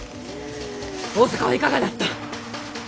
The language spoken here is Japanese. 大坂はいかがであった。